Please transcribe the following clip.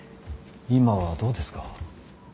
今はどうですか。